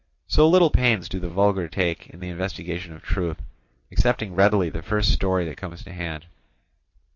So little pains do the vulgar take in the investigation of truth, accepting readily the first story that comes to hand.